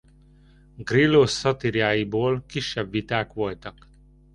Grillo szatíráiból kisebb viták voltak.